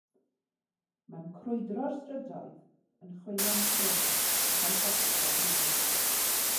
Mae'n crwydro'r strydoedd yn chwilio am ffrind ac am gartref newydd.